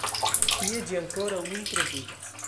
Tie ĝi ankoraŭ nun troviĝas.